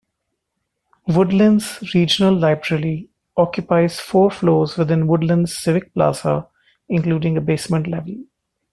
Woodlands Regional Library occupies four floors within Woodlands Civic Plaza including a basement level.